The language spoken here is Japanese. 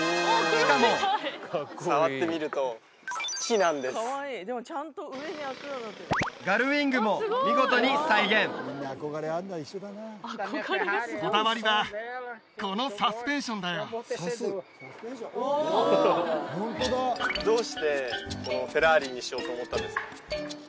しかも触ってみると木なんですガルウィングも見事に再現こだわりはこのサスペンションだよどうしてこのフェラーリにしようと思ったんですか？